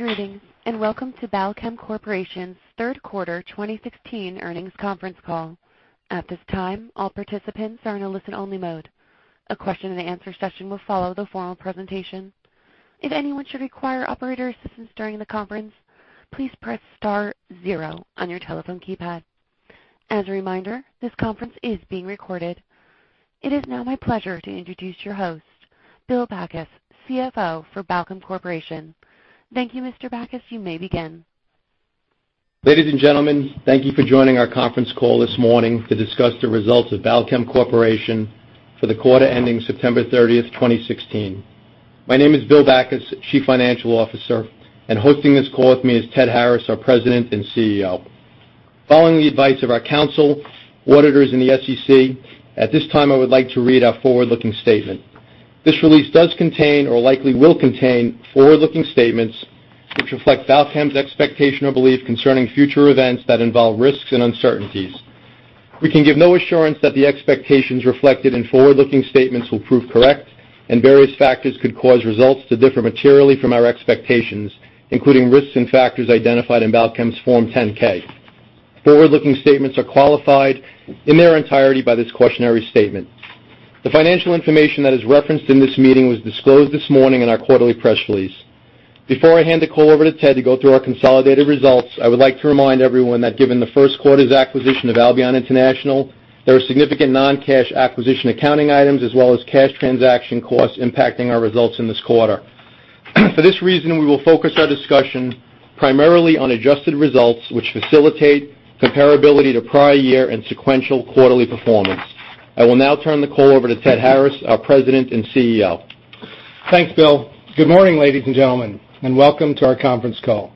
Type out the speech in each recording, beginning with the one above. Greetings, and welcome to Balchem Corporation's third quarter 2016 earnings conference call. At this time, all participants are in a listen-only mode. A question-and-answer session will follow the formal presentation. If anyone should require operator assistance during the conference, please press star zero on your telephone keypad. As a reminder, this conference is being recorded. It is now my pleasure to introduce your host, Bill Backus, CFO for Balchem Corporation. Thank you, Mr. Backus. You may begin. Ladies and gentlemen, thank you for joining our conference call this morning to discuss the results of Balchem Corporation for the quarter ending September 30th, 2016. My name is Bill Backus, Chief Financial Officer, and hosting this call with me is Ted Harris, our President and CEO. Following the advice of our counsel, auditors, and the SEC, at this time, I would like to read our forward-looking statement. This release does contain or likely will contain forward-looking statements which reflect Balchem's expectation or belief concerning future events that involve risks and uncertainties. We can give no assurance that the expectations reflected in forward-looking statements will prove correct, and various factors could cause results to differ materially from our expectations, including risks and factors identified in Balchem's Form 10-K. Forward-looking statements are qualified in their entirety by this cautionary statement. The financial information that is referenced in this meeting was disclosed this morning in our quarterly press release. Before I hand the call over to Ted to go through our consolidated results, I would like to remind everyone that given the first quarter's acquisition of Albion International, there are significant non-cash acquisition accounting items as well as cash transaction costs impacting our results in this quarter. For this reason, we will focus our discussion primarily on adjusted results, which facilitate comparability to prior year and sequential quarterly performance. I will now turn the call over to Ted Harris, our President and CEO. Thanks, Bill. Good morning, ladies and gentlemen, and welcome to our conference call.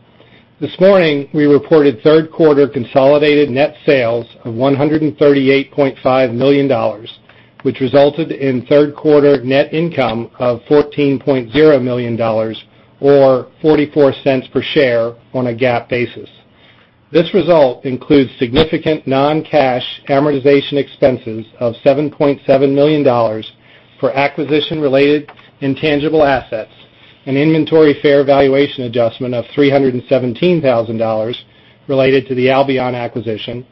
This morning, we reported third quarter consolidated net sales of $138.5 million, which resulted in third-quarter net income of $14.0 million, or $0.44 per share on a GAAP basis. This result includes significant non-cash amortization expenses of $7.7 million for acquisition-related intangible assets, an inventory fair valuation adjustment of $317,000 related to the Albion acquisition,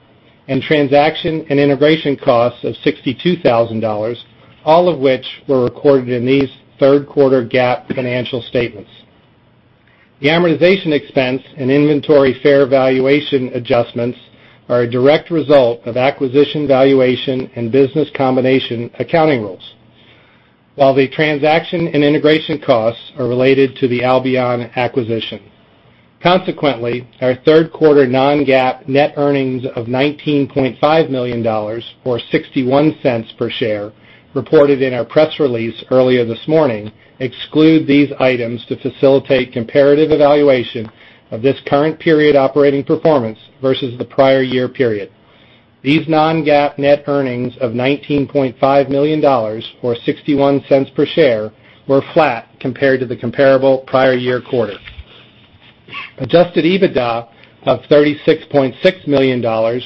and transaction and integration costs of $62,000, all of which were recorded in these third-quarter GAAP financial statements. The amortization expense and inventory fair valuation adjustments are a direct result of acquisition valuation and business combination accounting rules, while the transaction and integration costs are related to the Albion acquisition. Consequently, our third-quarter non-GAAP net earnings of $19.5 million, or $0.61 per share, reported in our press release earlier this morning, exclude these items to facilitate comparative evaluation of this current period operating performance versus the prior year period. These non-GAAP net earnings of $19.5 million, or $0.61 per share, were flat compared to the comparable prior year quarter. Adjusted EBITDA of $36.6 million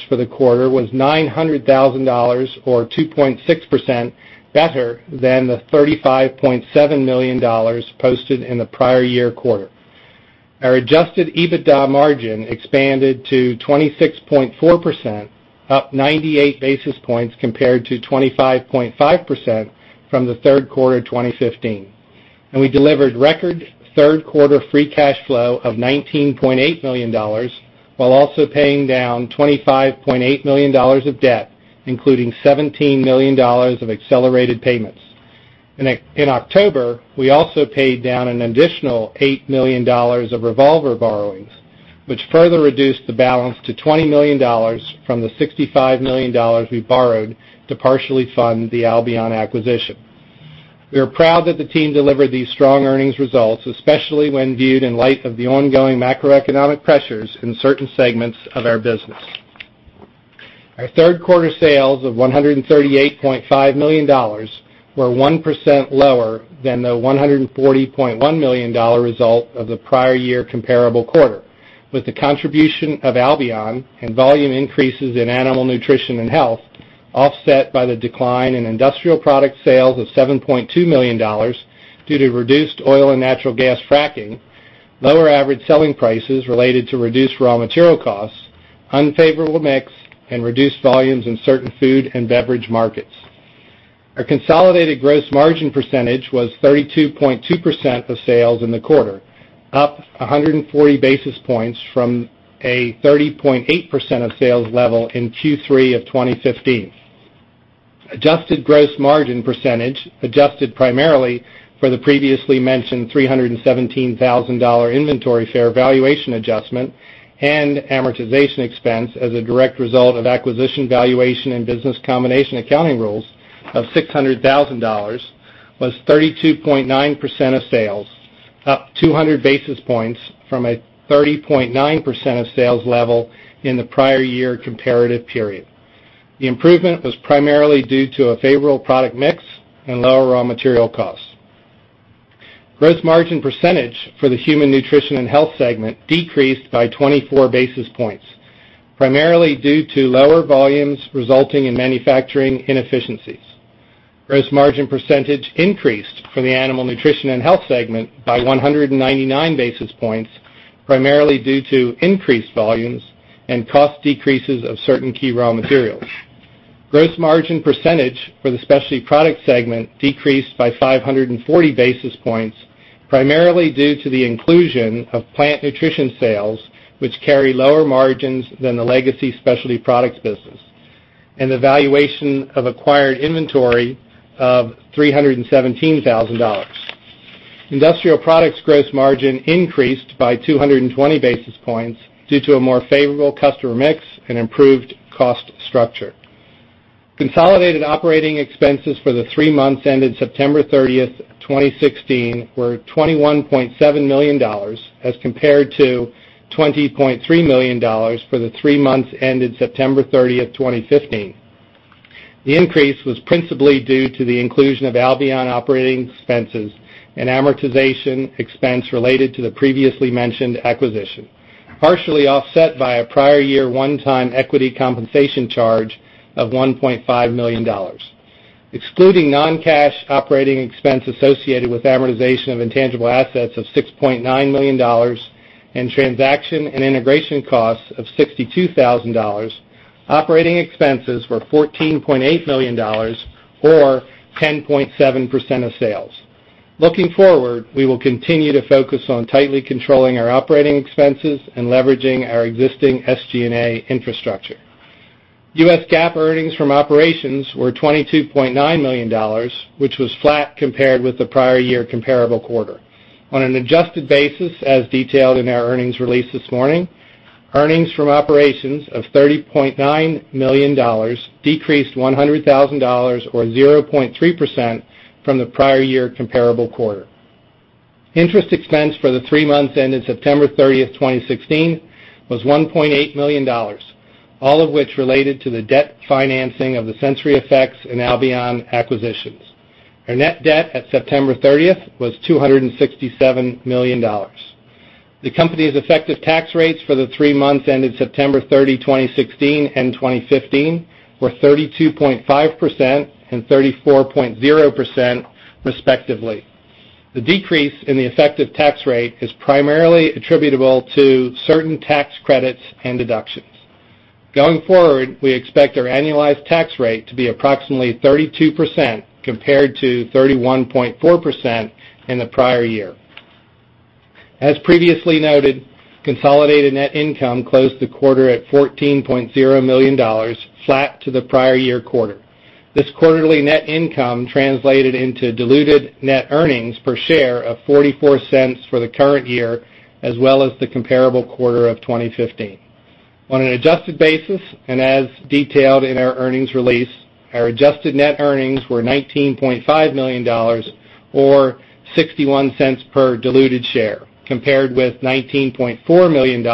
for the quarter was $900,000, or 2.6% better than the $35.7 million posted in the prior year quarter. Our adjusted EBITDA margin expanded to 26.4%, up 98 basis points compared to 25.5% from the third quarter of 2015. We delivered record third-quarter free cash flow of $19.8 million, while also paying down $25.8 million of debt, including $17 million of accelerated payments. In October, we also paid down an additional $8 million of revolver borrowings, which further reduced the balance to $20 million from the $65 million we borrowed to partially fund the Albion acquisition. We are proud that the team delivered these strong earnings results, especially when viewed in light of the ongoing macroeconomic pressures in certain segments of our business. Our third-quarter sales of $138.5 million were 1% lower than the $140.1 million result of the prior year comparable quarter, with the contribution of Albion and volume increases in Animal Nutrition and Health offset by the decline in Industrial Product sales of $7.2 million due to reduced oil and natural gas fracking, lower average selling prices related to reduced raw material costs, unfavorable mix, and reduced volumes in certain food and beverage markets. Our consolidated gross margin percentage was 32.2% of sales in the quarter, up 140 basis points from a 30.8% of sales level in Q3 of 2015. Adjusted gross margin percentage, adjusted primarily for the previously mentioned $317,000 inventory fair valuation adjustment and amortization expense as a direct result of acquisition valuation and business combination accounting rules of $600,000, was 32.9% of sales, up 200 basis points from a 30.9% of sales level in the prior year comparative period. The improvement was primarily due to a favorable product mix and lower raw material costs. Gross margin percentage for the Human Nutrition and Health segment decreased by 24 basis points, primarily due to lower volumes resulting in manufacturing inefficiencies. Gross margin percentage increased from the Animal Nutrition and Health segment by 199 basis points, primarily due to increased volumes and cost decreases of certain key raw materials. Gross margin percentage for the specialty product segment decreased by 540 basis points, primarily due to the inclusion of Plant Nutrition sales, which carry lower margins than the legacy Specialty Products business, and the valuation of acquired inventory of $317,000. Industrial Products gross margin increased by 220 basis points due to a more favorable customer mix and improved cost structure. Consolidated operating expenses for the three months ended September 30th, 2016, were $21.7 million as compared to $20.3 million for the three months ended September 30th, 2015. The increase was principally due to the inclusion of Albion operating expenses and amortization expense related to the previously mentioned acquisition, partially offset by a prior year one-time equity compensation charge of $1.5 million. Excluding non-cash operating expense associated with amortization of intangible assets of $6.9 million and transaction and integration costs of $62,000, operating expenses were $14.8 million or 10.7% of sales. Looking forward, we will continue to focus on tightly controlling our operating expenses and leveraging our existing SG&A infrastructure. U.S. GAAP earnings from operations were $22.9 million, which was flat compared with the prior year comparable quarter. On an adjusted basis, as detailed in our earnings release this morning, earnings from operations of $30.9 million decreased $100,000, or 0.3%, from the prior year comparable quarter. Interest expense for the three months ended September 30th, 2016, was $1.8 million, all of which related to the debt financing of the SensoryEffects and Albion acquisitions. Our net debt at September 30th was $267 million. The company's effective tax rates for the three months ended September 30, 2016, and 2015, were 32.5% and 34.0%, respectively. The decrease in the effective tax rate is primarily attributable to certain tax credits and deductions. Going forward, we expect our annualized tax rate to be approximately 32% compared to 31.4% in the prior year. As previously noted, consolidated net income closed the quarter at $14.0 million, flat to the prior year quarter. This quarterly net income translated into diluted net earnings per share of $0.44 for the current year, as well as the comparable quarter of 2015. On an adjusted basis, as detailed in our earnings release, our adjusted net earnings were $19.5 million or $0.61 per diluted share, compared with $19.4 million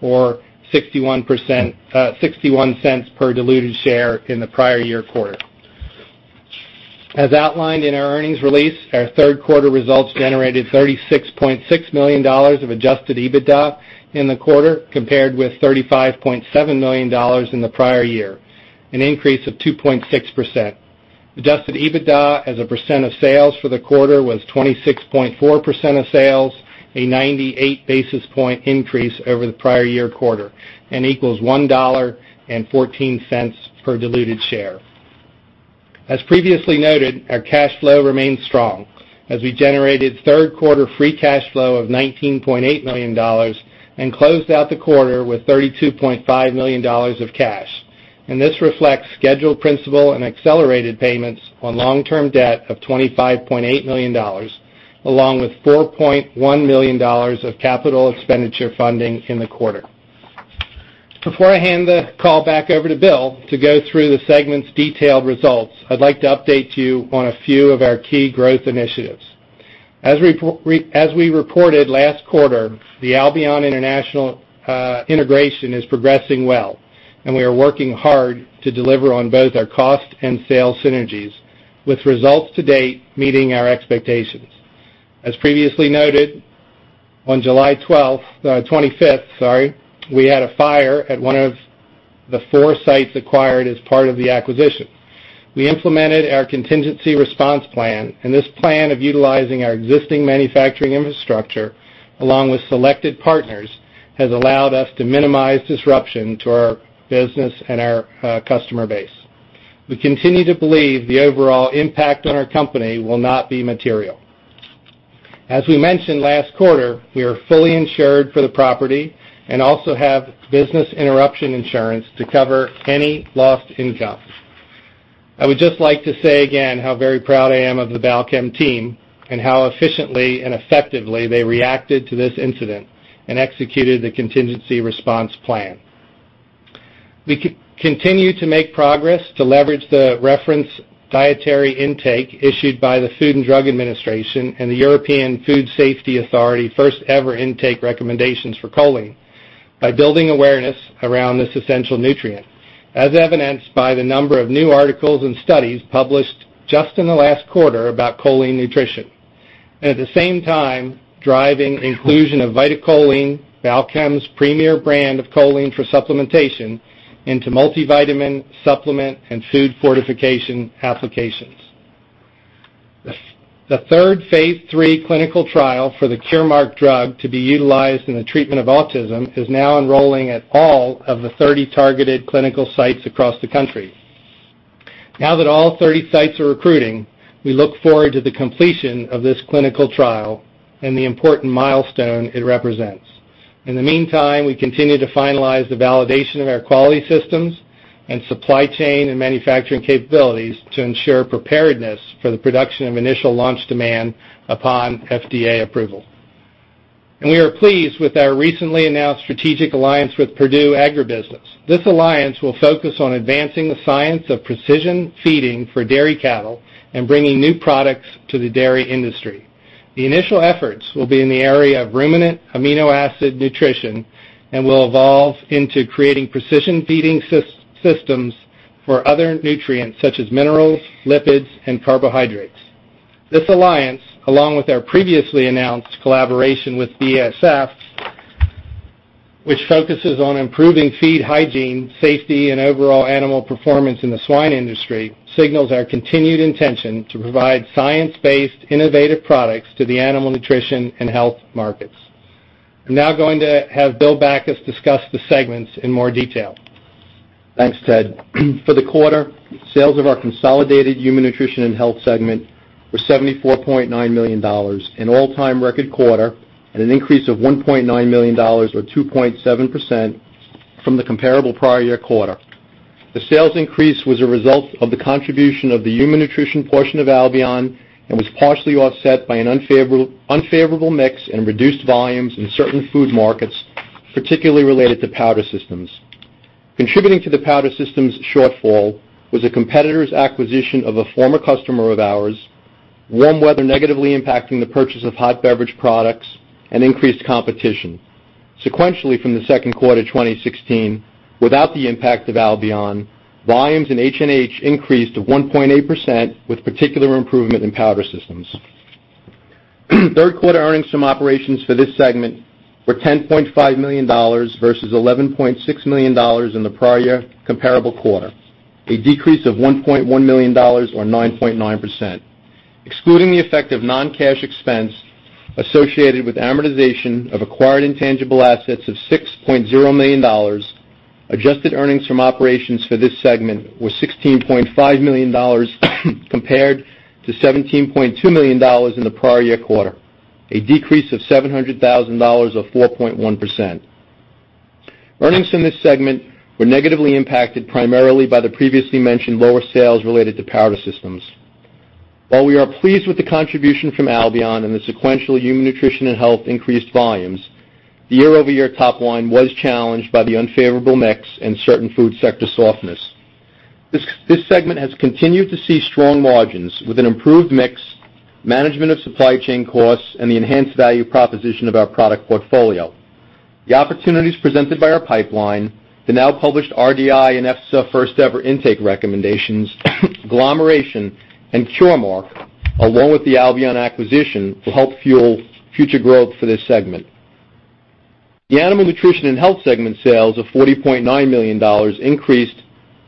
or $0.61 per diluted share in the prior year quarter. As outlined in our earnings release, our third quarter results generated $36.6 million of adjusted EBITDA in the quarter, compared with $35.7 million in the prior year, an increase of 2.6%. Adjusted EBITDA as a percent of sales for the quarter was 26.4% of sales, a 98 basis point increase over the prior year quarter and equals $1.14 per diluted share. As previously noted, our cash flow remains strong as we generated third quarter free cash flow of $19.8 million and closed out the quarter with $32.5 million of cash. This reflects scheduled principal and accelerated payments on long-term debt of $25.8 million, along with $4.1 million of capital expenditure funding in the quarter. Before I hand the call back over to Bill to go through the segment's detailed results, I'd like to update you on a few of our key growth initiatives. As we reported last quarter, the Albion International integration is progressing well, and we are working hard to deliver on both our cost and sales synergies, with results to date meeting our expectations. As previously noted, on July 25, we had a fire at one of the four sites acquired as part of the acquisition. We implemented our contingency response plan, and this plan of utilizing our existing manufacturing infrastructure along with selected partners has allowed us to minimize disruption to our business and our customer base. We continue to believe the overall impact on our company will not be material. As we mentioned last quarter, we are fully insured for the property and also have business interruption insurance to cover any lost income. I would just like to say again how very proud I am of the Balchem team and how efficiently and effectively they reacted to this incident and executed the contingency response plan. We continue to make progress to leverage the reference dietary intake issued by the Food and Drug Administration and the European Food Safety Authority first ever intake recommendations for choline by building awareness around this essential nutrient, as evidenced by the number of new articles and studies published just in the last quarter about choline nutrition. At the same time, driving inclusion of VitaCholine, Balchem's premier brand of choline for supplementation, into multivitamin, supplement, and food fortification applications. The third phase III clinical trial for the Curemark drug to be utilized in the treatment of autism is now enrolling at all of the 30 targeted clinical sites across the country. Now that all 30 sites are recruiting, we look forward to the completion of this clinical trial and the important milestone it represents. In the meantime, we continue to finalize the validation of our quality systems and supply chain, and manufacturing capabilities to ensure preparedness for the production of initial launch demand upon FDA approval. We are pleased with our recently announced strategic alliance with Perdue AgriBusiness. This alliance will focus on advancing the science of precision feeding for dairy cattle and bringing new products to the dairy industry. The initial efforts will be in the area of ruminant amino acid nutrition and will evolve into creating precision feeding systems for other nutrients such as minerals, lipids, and carbohydrates. This alliance, along with our previously announced collaboration with BASF, which focuses on improving feed hygiene, safety, and overall animal performance in the swine industry, signals our continued intention to provide science-based, innovative products to the Animal Nutrition and Health markets. I'm now going to have Bill Backus discuss the segments in more detail. Thanks, Ted. For the quarter, sales of our consolidated Human Nutrition and Health segment were $74.9 million, an all-time record quarter, and an increase of $1.9 million, or 2.7%, from the comparable prior year quarter. The sales increase was a result of the contribution of the human nutrition portion of Albion and was partially offset by an unfavorable mix and reduced volumes in certain food markets, particularly related to powder systems. Contributing to the powder systems shortfall was a competitor's acquisition of a former customer of ours, warm weather negatively impacting the purchase of hot beverage products, and increased competition. Sequentially from the second quarter 2016, without the impact of Albion, volumes in HNH increased to 1.8%, with particular improvement in powder systems. Third quarter earnings from operations for this segment were $10.5 million versus $11.6 million in the prior year comparable quarter, a decrease of $1.1 million, or 9.9%. Excluding the effect of non-cash expense associated with amortization of acquired intangible assets of $6.0 million, adjusted earnings from operations for this segment were $16.5 million compared to $17.2 million in the prior year quarter, a decrease of $700,000, or 4.1%. Earnings in this segment were negatively impacted primarily by the previously mentioned lower sales related to powder systems. While we are pleased with the contribution from Albion and the sequential Human Nutrition and Health increased volumes, the year-over-year top line was challenged by the unfavorable mix and certain food sector softness. This segment has continued to see strong margins with an improved mix, management of supply chain costs, and the enhanced value proposition of our product portfolio. The opportunities presented by our pipeline, the now published RDI and EFSA first-ever intake recommendations, agglomeration, and Curemark, along with the Albion acquisition, will help fuel future growth for this segment. The Animal Nutrition and Health segment sales of $40.9 million increased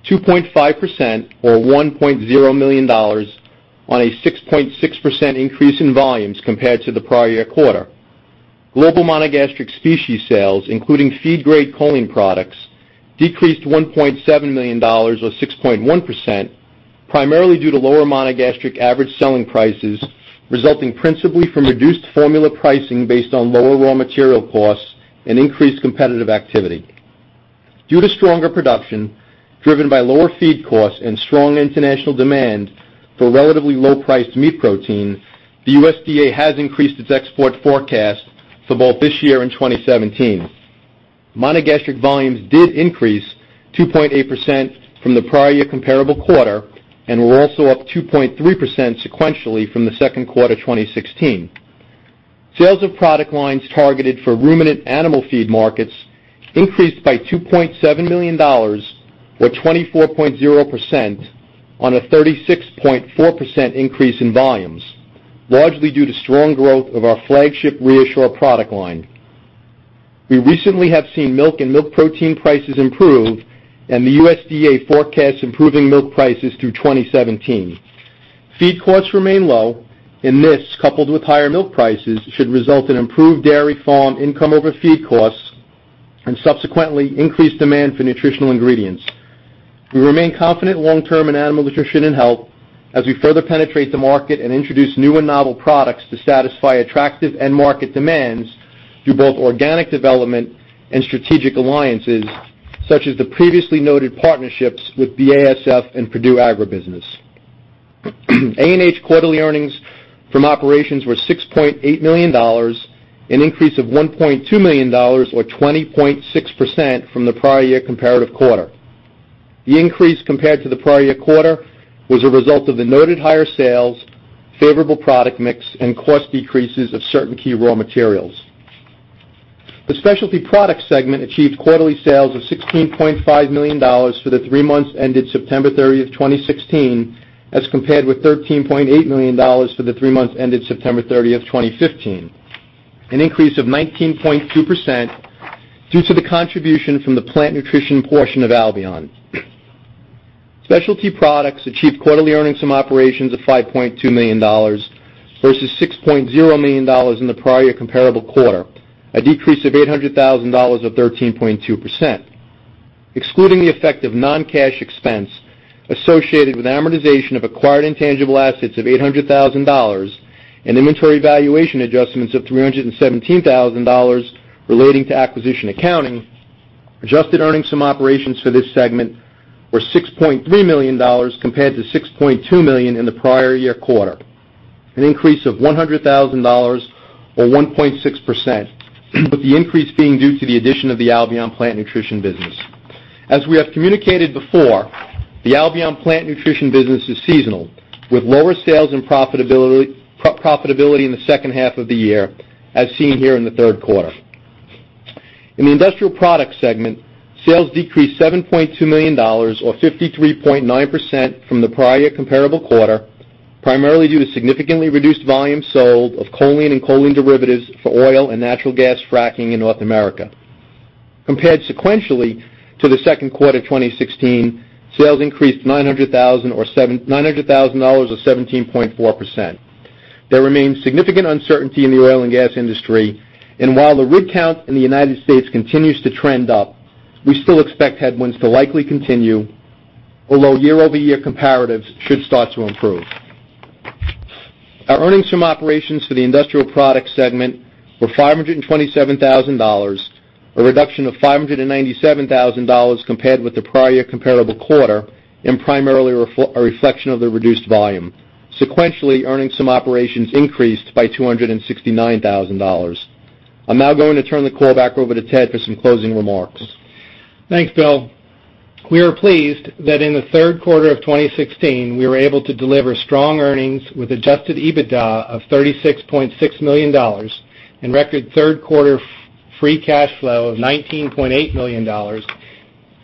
2.5%, or $1.0 million on a 6.6% increase in volumes compared to the prior year quarter. Global Monogastric species sales, including feed-grade choline products, decreased $1.7 million, or 6.1%, primarily due to lower Monogastric average selling prices, resulting principally from reduced formula pricing based on lower raw material costs and increased competitive activity. Due to stronger production driven by lower feed costs and strong international demand for relatively low-priced meat protein, the USDA has increased its export forecast for both this year and 2017. Monogastric volumes did increase 2.8% from the prior year comparable quarter and were also up 2.3% sequentially from the second quarter 2016. Sales of product lines targeted for ruminant animal feed markets increased by $2.7 million, or 24.0%, on a 36.4% increase in volumes, largely due to strong growth of our flagship ReaShure product line. We recently have seen milk and milk protein prices improve. The USDA forecasts improving milk prices through 2017. Feed costs remain low, and this, coupled with higher milk prices, should result in improved dairy farm income over feed costs and subsequently increased demand for nutritional ingredients. We remain confident long term in Animal Nutrition and Health as we further penetrate the market and introduce new and novel products to satisfy attractive end market demands through both organic development and strategic alliances such as the previously noted partnerships with BASF and Perdue AgriBusiness. ANH quarterly earnings from operations were $6.8 million, an increase of $1.2 million, or 20.6%, from the prior year comparative quarter. The increase compared to the prior year quarter was a result of the noted higher sales, favorable product mix, and cost decreases of certain key raw materials. The Specialty Products segment achieved quarterly sales of $16.5 million for the three months ended September 30th, 2016, as compared with $13.8 million for the three months ended September 30th, 2015, an increase of 19.2% due to the contribution from the Plant Nutrition portion of Albion. Specialty Products achieved quarterly earnings from operations of $5.2 million versus $6.0 million in the prior comparable quarter, a decrease of $800,000 or 13.2%. Excluding the effect of non-cash expense associated with amortization of acquired intangible assets of $800,000, and inventory valuation adjustments of $317,000 relating to acquisition accounting, adjusted earnings from operations for this segment were $6.3 million, compared to $6.2 million in the prior year quarter, an increase of $100,000 or 1.6%, with the increase being due to the addition of the Albion Plant Nutrition business. As we have communicated before, the Albion Plant Nutrition business is seasonal, with lower sales and profitability in the second half of the year, as seen here in the third quarter. In the Industrial Products segment, sales decreased $7.2 million or 53.9% from the prior comparable quarter, primarily due to significantly reduced volumes sold of choline and choline derivatives for oil and natural gas fracking in North America. Compared sequentially to the second quarter 2016, sales increased $900,000 or 17.4%. There remains significant uncertainty in the oil and gas industry, and while the rig count in the United States continues to trend up, we still expect headwinds to likely continue, although year-over-year comparatives should start to improve. Our earnings from operations for the Industrial Products segment were $527,000, a reduction of $597,000 compared with the prior comparable quarter and primarily a reflection of the reduced volume. Sequentially, earnings from operations increased by $269,000. I'm now going to turn the call back over to Ted for some closing remarks. Thanks, Bill. We are pleased that in the third quarter of 2016, we were able to deliver strong earnings with adjusted EBITDA of $36.6 million and record third quarter free cash flow of $19.8 million,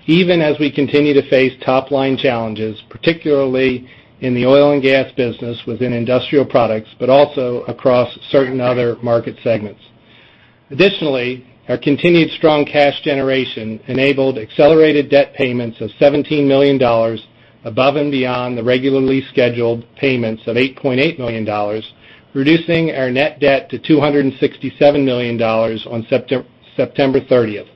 even as we continue to face top-line challenges, particularly in the oil and gas business within Industrial Products, but also across certain other market segments. Additionally, our continued strong cash generation enabled accelerated debt payments of $17 million above and beyond the regularly scheduled payments of $8.8 million, reducing our net debt to $267 million on September 30th,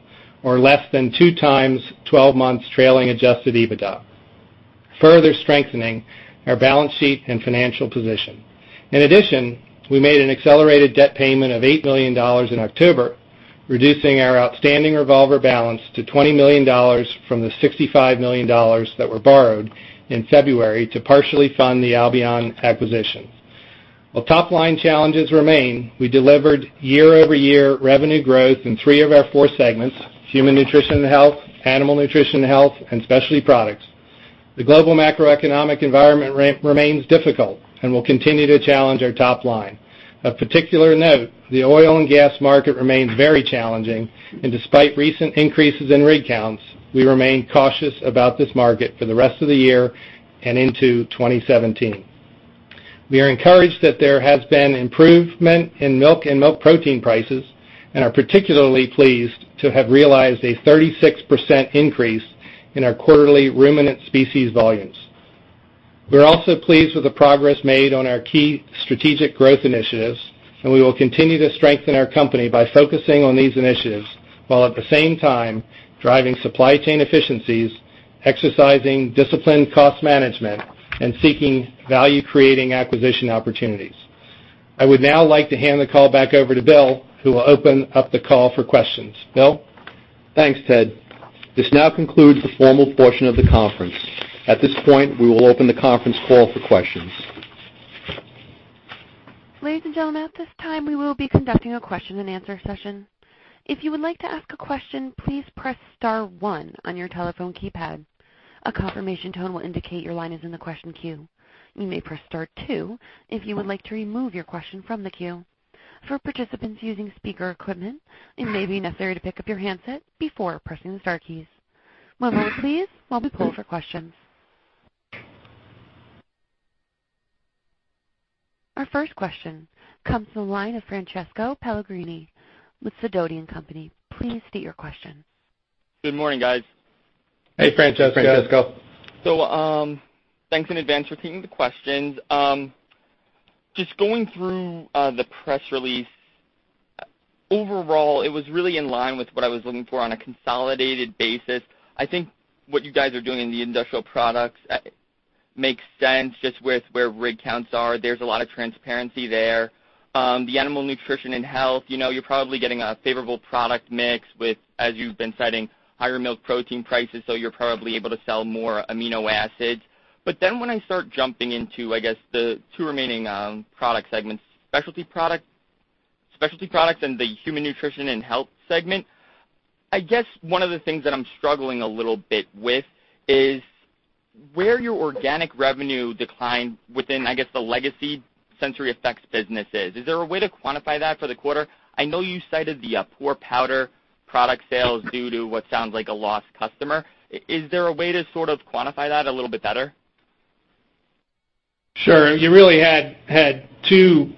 or less than two times 12 months trailing adjusted EBITDA, further strengthening our balance sheet and financial position. In addition, we made an accelerated debt payment of $8 million in October, reducing our outstanding revolver balance to $20 million from the $65 million that were borrowed in February to partially fund the Albion acquisition. While top-line challenges remain, we delivered year-over-year revenue growth in three of our four segments, Human Nutrition and Health, Animal Nutrition and Health, and Specialty Products. The global macroeconomic environment remains difficult and will continue to challenge our top line. Of particular note, the oil and gas market remains very challenging, and despite recent increases in rig counts, we remain cautious about this market for the rest of the year and into 2017. We are encouraged that there has been improvement in milk and milk protein prices and are particularly pleased to have realized a 36% increase in our quarterly ruminant species volumes. We're also pleased with the progress made on our key strategic growth initiatives, and we will continue to strengthen our company by focusing on these initiatives, while at the same time driving supply chain efficiencies, exercising disciplined cost management, and seeking value-creating acquisition opportunities. I would now like to hand the call back over to Bill, who will open up the call for questions. Bill? Thanks, Ted. This now concludes the formal portion of the conference. At this point, we will open the conference call for questions. Ladies and gentlemen, at this time, we will be conducting a question-and-answer session. If you would like to ask a question, please press star one on your telephone keypad. A confirmation tone will indicate your line is in the question queue. You may press star two if you would like to remove your question from the queue. For participants using speaker equipment, it may be necessary to pick up your handset before pressing the star keys. One moment, please, while we pull for questions. Our first question comes from the line of Francesco Pellegrino with Sidoti & Company. Please state your question. Good morning, guys. Hey, Francesco. Hey, Francesco. Thanks in advance for taking the questions. Just going through the press release. Overall, it was really in line with what I was looking for on a consolidated basis. I think what you guys are doing in the Industrial Products makes sense just with where rig counts are. There's a lot of transparency there. The Animal Nutrition and Health, you're probably getting a favorable product mix with, as you've been citing, higher milk protein prices, so you're probably able to sell more amino acids. When I start jumping into, I guess, the two remaining product segments, Specialty Products and the Human Nutrition and Health segment, I guess one of the things that I'm struggling a little bit with is where your organic revenue declined within, I guess, the legacy SensoryEffects business. Is there a way to quantify that for the quarter? I know you cited the poor powder product sales due to what sounds like a lost customer. Is there a way to sort of quantify that a little bit better? Sure. You really had two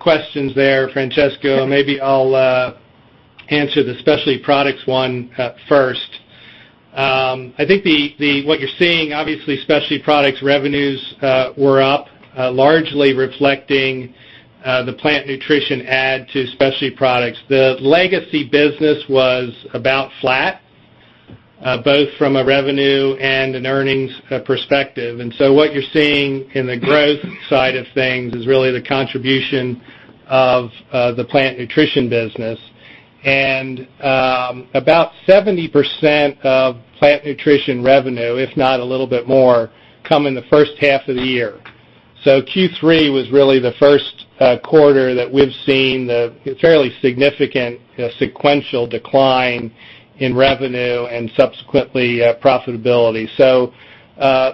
questions there, Francesco. Maybe I'll answer the Specialty Products one first. I think what you're seeing, obviously, Specialty Products revenues were up, largely reflecting the Albion Plant Nutrition add to Specialty Products. The legacy business was about flat, both from a revenue and an earnings perspective. What you're seeing in the growth side of things is really the contribution of the Plant Nutrition business. About 70% of Plant Nutrition revenue, if not a little bit more, come in the first half of the year. Q3 was really the first quarter that we've seen the fairly significant sequential decline in revenue and subsequently, profitability.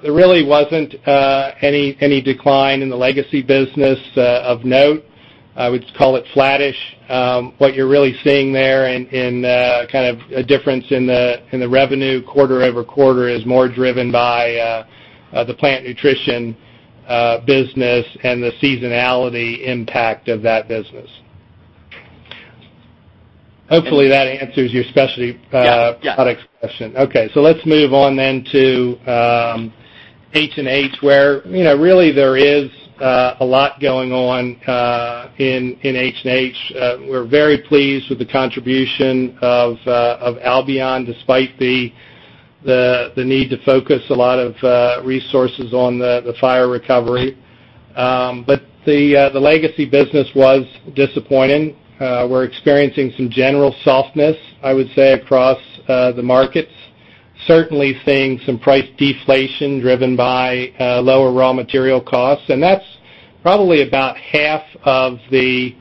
There really wasn't any decline in the legacy business of note. I would call it flattish. What you're really seeing there in kind of a difference in the revenue quarter-over-quarter is more driven by the Plant Nutrition business and the seasonality impact of that business. Hopefully, that answers your Specialty Products question. Yeah. Let's move on to HNH, where really there is a lot going on in HNH. We're very pleased with the contribution of Albion, despite the need to focus a lot of resources on the fire recovery. The legacy business was disappointing. We're experiencing some general softness, I would say, across the markets. Certainly, seeing some price deflation driven by lower raw material costs. That's probably about half of the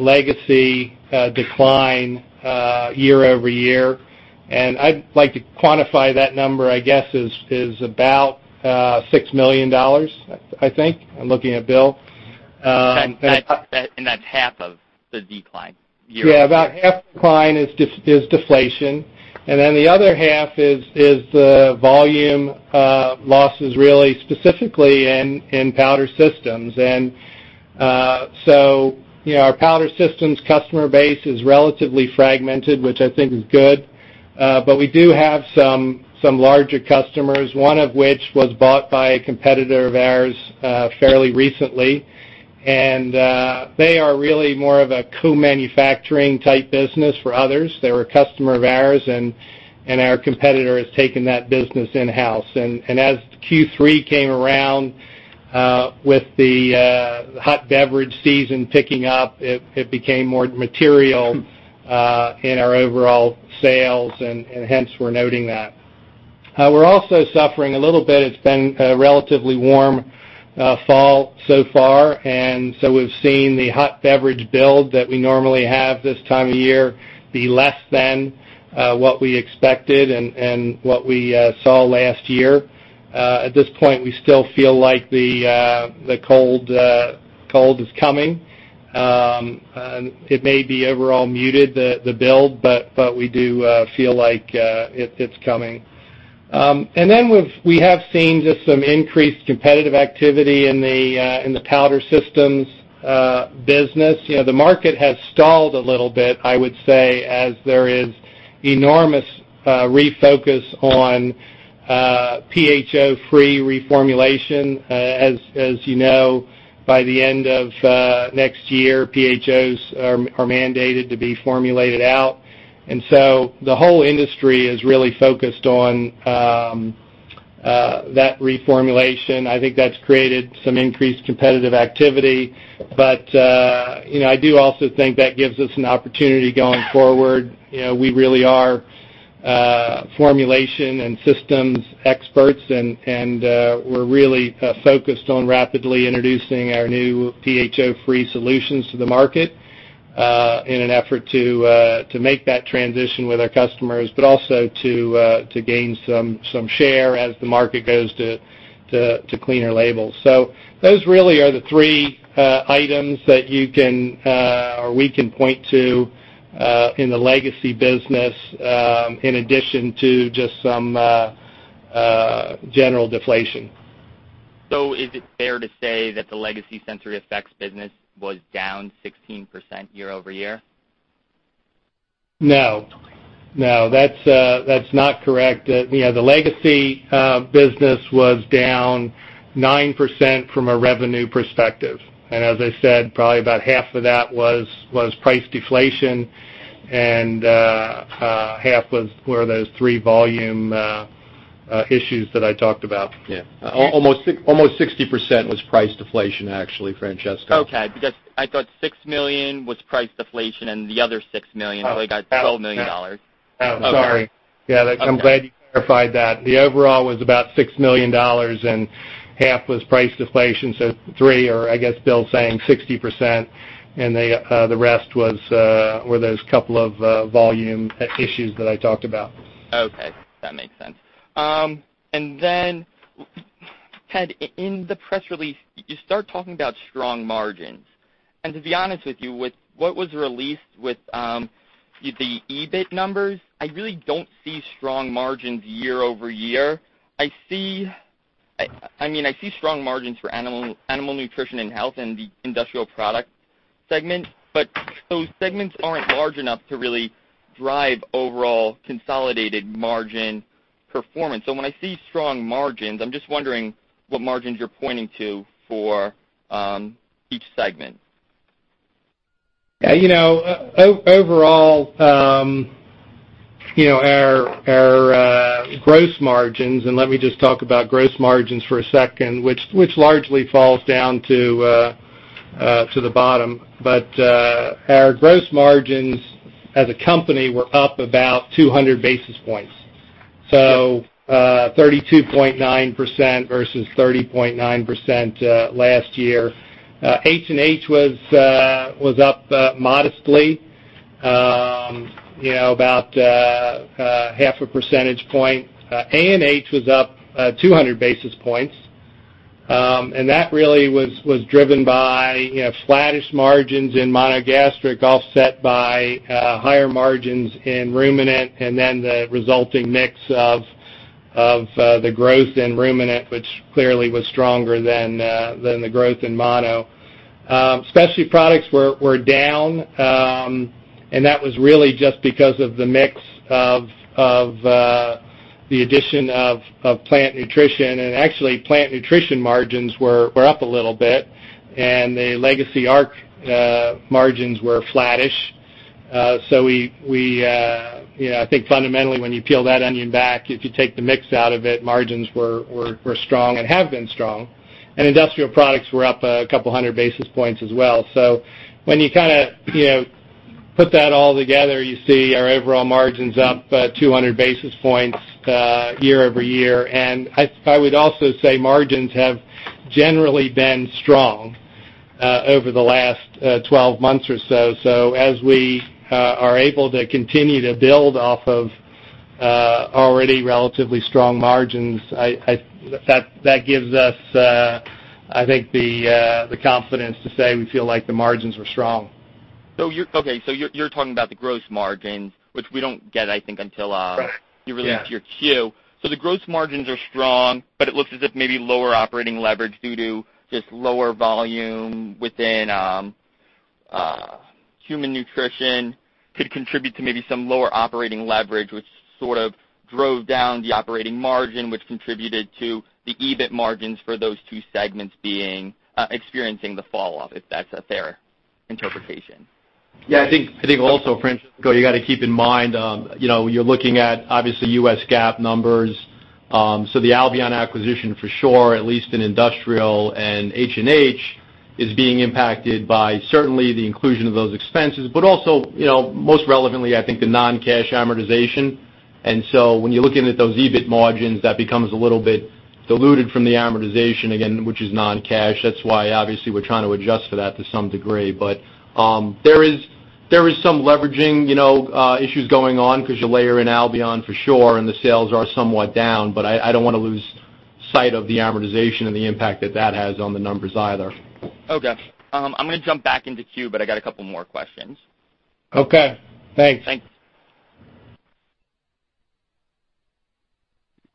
legacy decline year-over-year. I'd like to quantify that number, I guess, is about $6 million, I think. I'm looking at Bill. That's half of the decline year-over-year. Yeah, about half the decline is deflation, the other half is the volume losses, really specifically in powder systems. Our powder systems customer base is relatively fragmented, which I think is good. We do have some larger customers, one of which was bought by a competitor of ours fairly recently. They are really more of a co-manufacturing type business for others. They were a customer of ours, and our competitor has taken that business in-house. As Q3 came around, with the hot beverage season picking up, it became more material in our overall sales, and hence we're noting that. We're also suffering a little bit. It's been a relatively warm fall so far, so we've seen the hot beverage build that we normally have this time of year be less than what we expected and what we saw last year. At this point, we still feel like the cold is coming. It may be overall muted, the build, but we do feel like it's coming. We have seen just some increased competitive activity in the powder systems business. The market has stalled a little bit, I would say, as there is enormous refocus on PHO-free reformulation. As you know, by the end of next year, PHOs are mandated to be formulated out. The whole industry is really focused on that reformulation. I think that's created some increased competitive activity. I do also think that gives us an opportunity going forward. We really are formulation and systems experts, and we're really focused on rapidly introducing our new PHO-free solutions to the market in an effort to make that transition with our customers, but also to gain some share as the market goes to cleaner labels. Those really are the three items that you can, or we can, point to in the legacy business, in addition to just some general deflation. Is it fair to say that the legacy SensoryEffects business was down 16% year-over-year? No. That's not correct. The legacy business was down 9% from a revenue perspective. As I said, probably about half of that was price deflation, and half was where those three volume issues that I talked about. Yeah. Almost 60% was price deflation, actually, Francesco. Okay, because I thought $6 million was price deflation and the other $6 million, so I got $12 million. Oh, sorry. Okay. Yeah, I'm glad you clarified that. The overall was about $6 million, and half was price deflation, so $3 million, or I guess Bill's saying 60%, and the rest were those couple of volume issues that I talked about. Okay. That makes sense. Ted, in the press release, you start talking about strong margins. To be honest with you, with what was released with the EBIT numbers, I really don't see strong margins year-over-year. I see strong margins for Animal Nutrition and Health and the Industrial Product segment, but those segments aren't large enough to really drive overall consolidated margin performance. When I see strong margins, I'm just wondering what margins you're pointing to for each segment. Yeah. Overall, our gross margins, let me just talk about gross margins for a second, which largely falls down to the bottom. Our gross margins as a company were up about 200 basis points. 32.9% versus 30.9% last year. HNH was up modestly, about half a percentage point. ANH was up 200 basis points, and that really was driven by flattish margins in Monogastric, offset by higher margins in ruminant, the resulting mix of the growth in ruminant, which clearly was stronger than the growth in Mono. Specialty Products were down, that was really just because of the mix of the addition of Plant Nutrition, and actually, Plant Nutrition margins were up a little bit, and the legacy ARC margins were flattish. I think fundamentally, when you peel that onion back, if you take the mix out of it, margins were strong and have been strong. Industrial Products were up a couple of 100 basis points as well. When you put that all together, you see our overall margins up 200 basis points year-over-year. I would also say margins have generally been strong over the last 12 months or so. As we are able to continue to build off of already relatively strong margins, that gives us, I think, the confidence to say we feel like the margins were strong. Okay. You're talking about the gross margins, which we don't get, I think, until you release your Q. Right. Yeah. The gross margins are strong, but it looks as if maybe lower operating leverage due to just lower volume within Human Nutrition could contribute to maybe some lower operating leverage, which sort of drove down the operating margin, which contributed to the EBIT margins for those two segments experiencing the falloff, if that's a fair interpretation. Yeah. I think also, Francesco, you got to keep in mind, you're looking at, obviously, U.S. GAAP numbers. The Albion acquisition for sure, at least in Industrial and HNH, is being impacted by certainly the inclusion of those expenses, but also, most relevantly, I think the non-cash amortization. When you're looking at those EBIT margins, that becomes a little bit diluted from the amortization, again, which is non-cash. That's why obviously we're trying to adjust for that to some degree. There is some leveraging issues going on because you layer in Albion for sure, and the sales are somewhat down, but I don't want to lose sight of the amortization and the impact that that has on the numbers either. Okay. I'm going to jump back into queue, but I got a couple more questions. Okay, thanks. Thanks.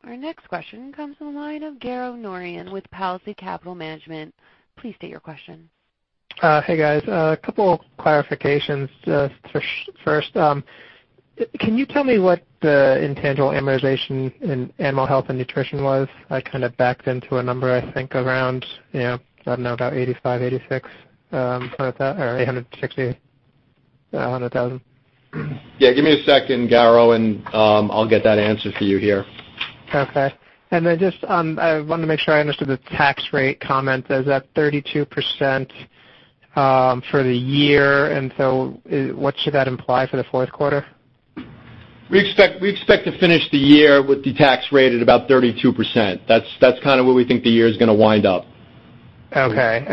Our next question comes from the line of Garo Norian with Palisade Capital Management. Please state your question. Hey, guys. A couple of clarifications. First, can you tell me what the intangible amortization in Animal Health and Nutrition was? I kind of backed into a number, I think around, I don't know, about $85,000, $86,000, or $860,000. Yeah. Give me a second, Garo, and I'll get that answer for you here. Okay. Just I wanted to make sure I understood the tax rate comment. Is that 32% for the year? What should that imply for the fourth quarter? We expect to finish the year with the tax rate at about 32%. That's kind of where we think the year is going to wind up. Okay.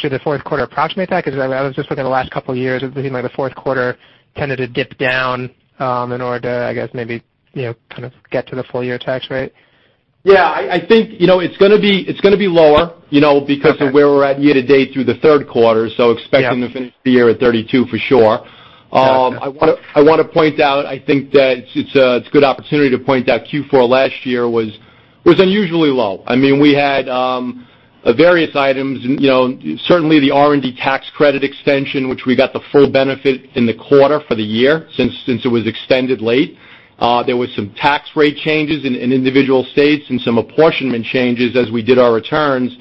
Should the fourth quarter approximate that? I was just looking at the last couple of years, it seemed like the fourth quarter tended to dip down in order to, I guess, maybe kind of get to the full-year tax rate. Yeah, I think it's going to be lower because of where we're at year-to-date through the third quarter, so we expect to finish the year at 32% for sure. Got it. I want to point out, I think that it's a good opportunity to point out, Q4 last year was unusually low. We had various items, certainly the R&D tax credit extension, which we got the full benefit in the quarter for the year, since it was extended late. There were some tax rate changes in individual states and some apportionment changes as we did our returns.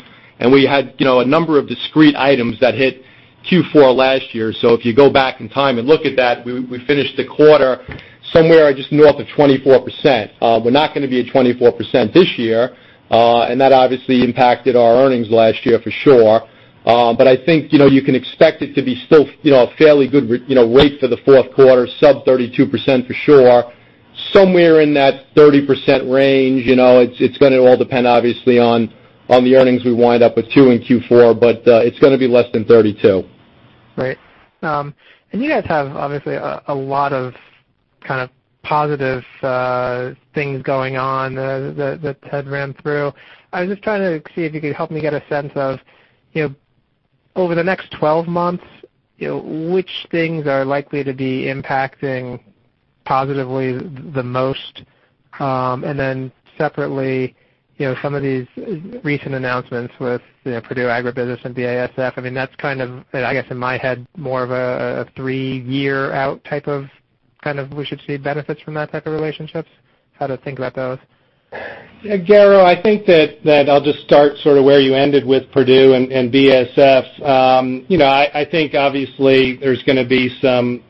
We had a number of discrete items that hit Q4 last year. If you go back in time and look at that, we finished the quarter somewhere just north of 24%. We're not going to be at 24% this year. That obviously impacted our earnings last year for sure. I think you can expect it to be still a fairly good rate for the fourth quarter, sub 32% for sure. Somewhere in that 30% range. It's going to all depend, obviously, on the earnings we wind up with too in Q4, but it's going to be less than 32%. Right. You guys have, obviously, a lot of positive things going on that Ted ran through. I was just trying to see if you could help me get a sense of, over the next 12 months, which things are likely to be impacting positively the most, then separately, some of these recent announcements with Perdue AgriBusiness and BASF. That's, I guess in my head, more of a three-year-out type of we should see benefits from that type of relationships, how to think about those. Yeah, Garo, I think that I'll just start sort of where you ended with Perdue and BASF. I think obviously there's going to be some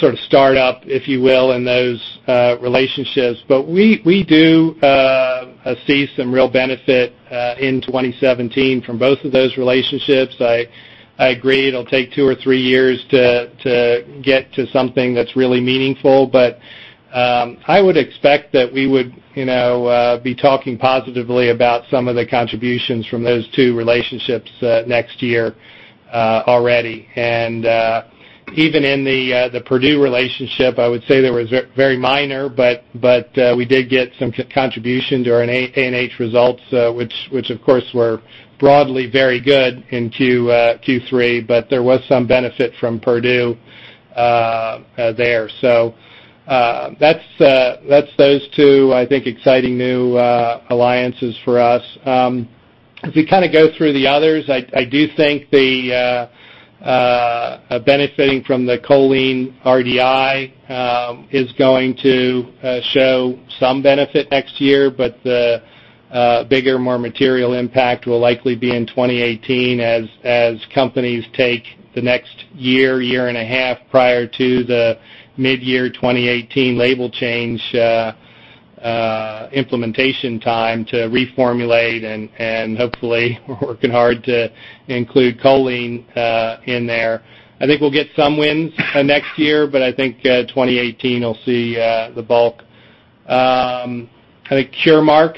sort of startup, if you will, in those relationships. We do see some real benefit in 2017 from both of those relationships. I agree it'll take two or three years to get to something that's really meaningful. I would expect that we would be talking positively about some of the contributions from those two relationships next year already. Even in the Perdue relationship, I would say there was very minor, but we did get some contribution during ANH results, which of course were broadly very good in Q3, but there was some benefit from Perdue there. Those two, I think, exciting new alliances for us. If we go through the others, I do think the benefiting from the choline RDI is going to show some benefit next year, but the bigger, more material impact will likely be in 2018 as companies take the next year, year and a half, prior to the mid-year 2018 label change implementation time to reformulate, and hopefully we're working hard to include choline in there. I think we'll get some wins next year, but I think 2018 will see the bulk. I think Curemark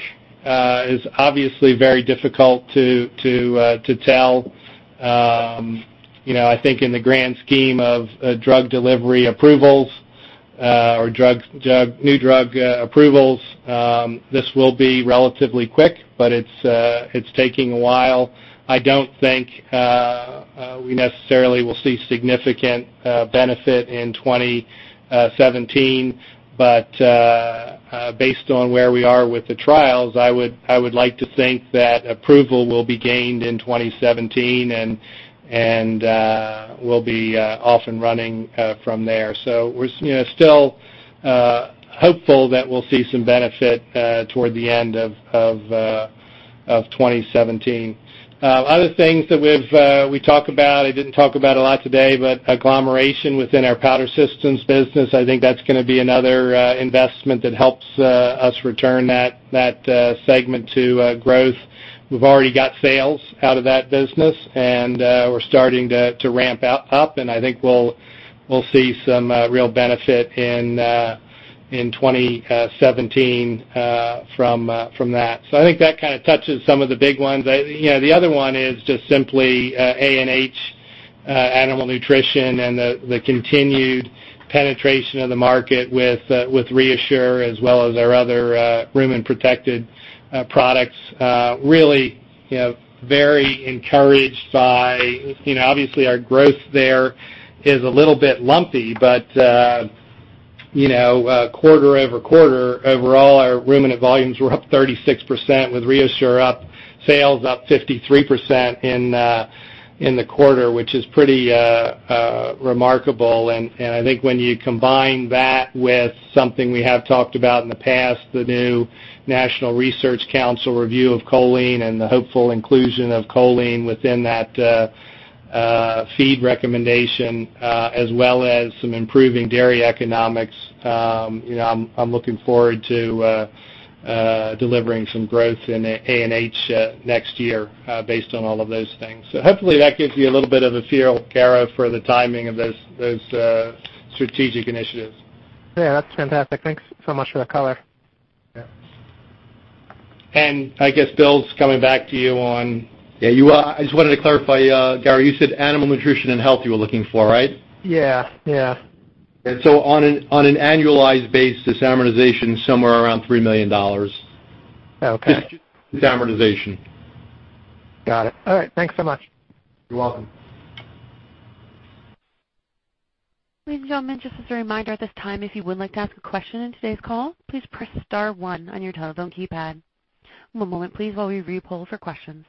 is obviously very difficult to tell. I think in the grand scheme of drug delivery approvals or new drug approvals, this will be relatively quick, but it's taking a while. I don't think we necessarily will see significant benefit in 2017. Based on where we are with the trials, I would like to think that approval will be gained in 2017 and we'll be off and running from there. We're still hopeful that we'll see some benefit toward the end of 2017. Other things that we talk about, I didn't talk about a lot today, but agglomeration within our powder systems business, I think that's going to be another investment that helps us return that segment to growth. We've already got sales out of that business, and we're starting to ramp up, and I think we'll see some real benefit in 2017 from that. I think that kind of touches some of the big ones. The other one is just simply ANH, Animal Nutrition, and the continued penetration of the market with ReaShure as well as our other rumen-protected products. Really very encouraged by, obviously, our growth there is a little bit lumpy, but quarter-over-quarter, overall, our ruminant volumes were up 36% with ReaShure up, sales up 53% in the quarter, which is pretty remarkable. I think when you combine that with something we have talked about in the past, the new National Research Council review of choline and the hopeful inclusion of choline within that feed recommendation, as well as some improving dairy economics, I'm looking forward to delivering some growth in ANH next year based on all of those things. Hopefully that gives you a little bit of a feel, Garo, for the timing of those strategic initiatives. That's fantastic. Thanks so much for the color. I guess Bill's coming back to you. I just wanted to clarify, Garo, you said Animal Nutrition and Health you were looking for, right? Yeah. On an annualized basis, amortization is somewhere around $3 million. Oh, okay. Just amortization. Got it. All right. Thanks so much. You're welcome. Ladies and gentlemen, just as a reminder at this time, if you would like to ask a question on today's call, please press star one on your telephone keypad. One moment, please, while we re-poll for questions.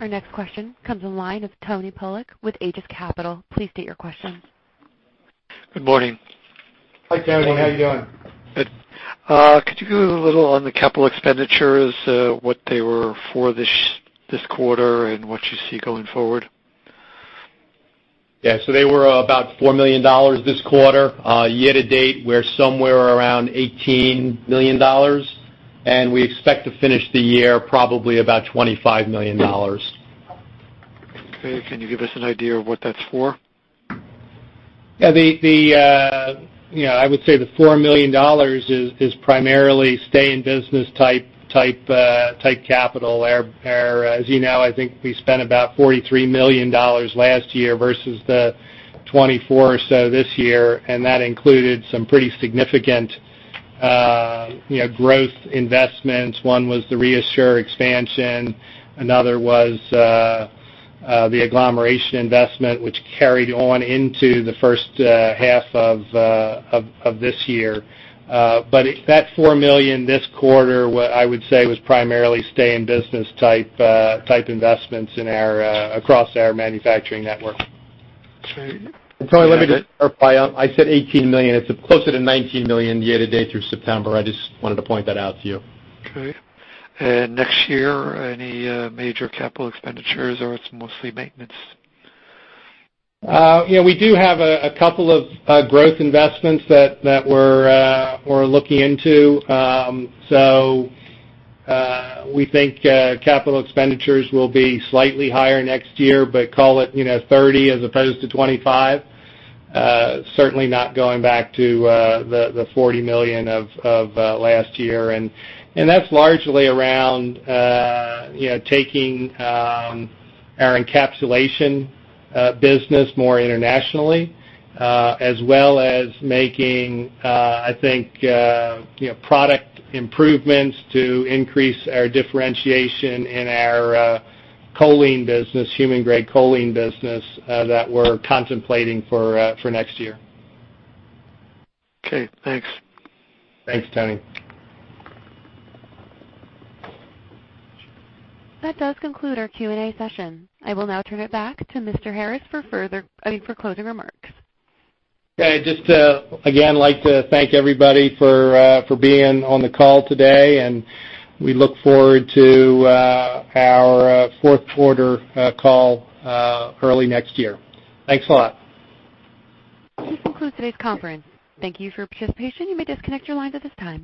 Our next question comes on the line with Tony Polak with Aegis Capital. Please state your question. Good morning. Hi, Tony. How are you doing? Good. Could you give a little on the capital expenditures, what they were for this quarter, and what you see going forward? Yeah. They were about $4 million this quarter. Year to date, we're somewhere around $18 million. We expect to finish the year probably about $25 million. Okay. Can you give us an idea of what that's for? Yeah. I would say the $4 million is primarily stay-in-business type capital. As you know, I think we spent about $43 million last year versus the $24 million or so this year, and that included some pretty significant growth investments. One was the ReaShure expansion. Another was the agglomeration investment, which carried on into the first half of this year. That $4 million this quarter, what I would say, was primarily stay-in-business type investments across our manufacturing network. Okay. Tony, let me just clarify. I said $18 million. It's closer to $19 million year to date through September. I just wanted to point that out to you. Okay. Next year, any major capital expenditures, or it's mostly maintenance? We do have a couple of growth investments that we're looking into. We think capital expenditures will be slightly higher next year, but call it $30 million as opposed to $25 million. Certainly not going back to the $40 million of last year. That's largely around taking our encapsulation business more internationally as well as making, I think, product improvements to increase our differentiation in our human-grade choline business that we're contemplating for next year. Okay, thanks. Thanks, Tony. That does conclude our Q&A session. I will now turn it back to Mr. Harris for closing remarks. Okay. Just again, like to thank everybody for being on the call today, and we look forward to our fourth-quarter call early next year. Thanks a lot. This concludes today's conference. Thank you for your participation. You may disconnect your lines at this time.